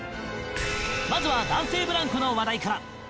まずは男性ブランコの話題から